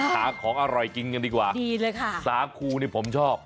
หาของอร่อยกินกันดีกว่าดีเลยค่ะสาคูนี่ผมชอบ